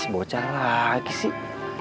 bocah lagi sih